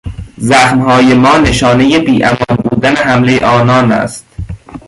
زخمهای ما نشانهی بیامان بودن حملهی آنان است.